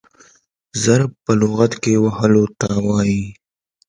ضرب په لغت کښي وهلو ته وايي.